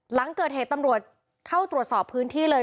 หลังเกิดเหตุตำรวจเข้าตรวจสอบพื้นที่เลย